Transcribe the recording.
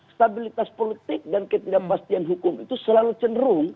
stabilitas politik dan ketidakpastian hukum itu selalu cenderung